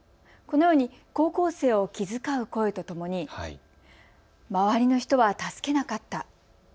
このように高校生を気遣う声ともに周りの人は助けなかった？